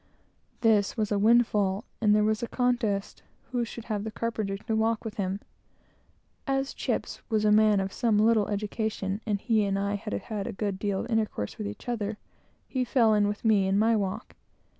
This was a windfall, and there was quite a contest, who should have the carpenter to walk with him. As "Chips" was a man of some little education, and he and I had had a good deal of intercourse with each other, he fell in with me in my walk.